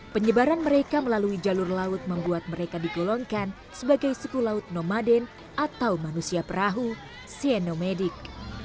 penyebaran mereka melalui jalur laut membuat mereka digolongkan sebagai suku laut nomaden atau manusia perahu sienomedik